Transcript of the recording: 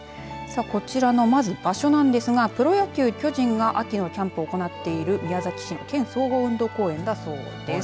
こちら、まずこの場所なんですがプロ野球、巨人が秋のキャンプを行っている宮崎県総合運動公園だそうです。